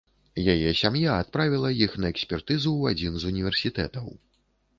Яе сям'я адправіла іх на экспертызу ў адзін з універсітэтаў.